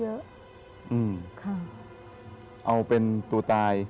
เอาเป็นตัวตาย